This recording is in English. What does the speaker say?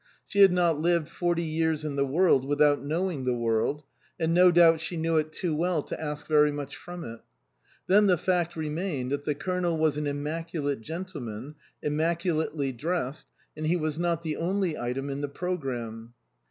She had not lived forty years in the world without knowing the world, and no doubt she knew it too well to ask very much from it. Then the fact remained that the Colonel was an immaculate gentleman, immaculately dressed, and he was not the only item in the programme.